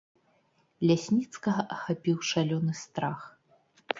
Лясніцкага ахапіў шалёны страх.